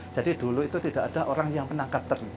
jadi dulu itu tidak ada orang yang menangkap teri